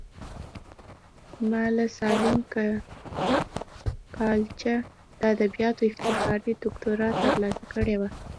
ما له ساليم کالجه د ادبياتو افتخاري دوکتورا ترلاسه کړې وه.